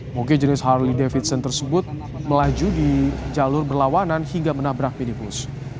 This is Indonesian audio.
moge jenis harley davidson tersebut melaju di jalur berlawanan hingga menabrak minibus